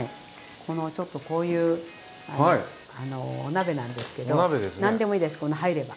このこういうお鍋なんですけど何でもいいです入れば。